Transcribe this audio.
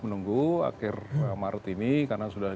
menunggu akhir maret ini karena sudah